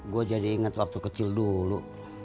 gue jadi ingat waktu kecil dulu